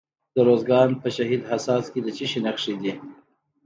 د ارزګان په شهید حساس کې د څه شي نښې دي؟